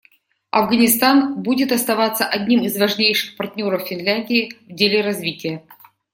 Афганистан будет оставаться одним из важнейших партнеров Финляндии в деле развития.